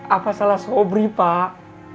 apa salah sobri pak